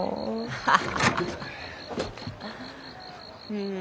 うん。